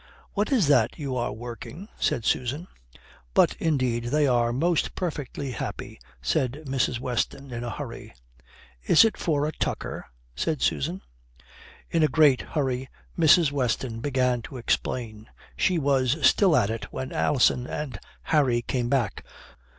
"What is that you are working?" said Susan. "But indeed they are most perfectly happy," said Mrs. Weston, in a hurry. "Is it for a tucker?" said Susan. In a greater hurry, Mrs. Weston began to explain. She was still at it when Alison and Harry came back.